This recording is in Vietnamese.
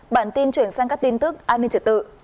bản tin chuyển sang các tin tức an ninh trật tự